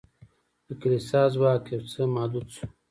د کلیسا ځواک یو څه محدود شو.